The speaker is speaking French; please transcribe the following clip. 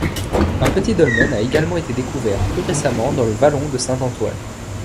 Un petit dolmen a également été découvert plus récemment dans le vallon de Saint-Antoine.